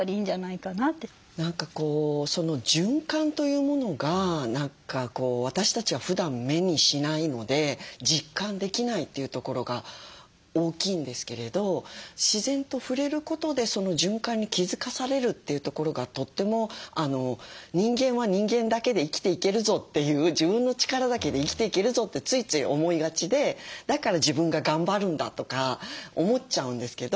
何かこう循環というものが私たちはふだん目にしないので実感できないというところが大きいんですけれど自然と触れることでその循環に気付かされるというところがとっても「人間は人間だけで生きていけるぞ」っていう「自分の力だけで生きていけるぞ」ってついつい思いがちで「だから自分が頑張るんだ」とか思っちゃうんですけど。